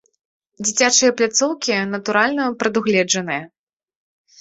Дзіцячыя пляцоўкі, натуральна, прадугледжаныя.